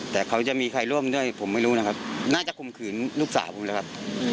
แต่เขาจะมีใครร่วมด้วยผมไม่รู้นะครับน่าจะข่มขืนลูกสาวผมเลยครับ